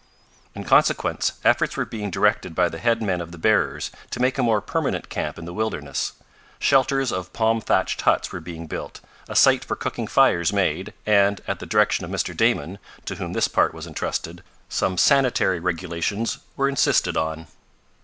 In consequence, efforts were being directed by the head men of the bearers to making a more permanent camp in the wilderness. Shelters of palm thatched huts were being built, a site for cooking fires made, and, at the direction of Mr. Damon, to whom this part was entrusted, some sanitary regulations were insisted on.